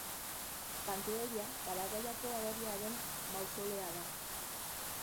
Panteoia Paraguaiko aberriaren mausoleoa da.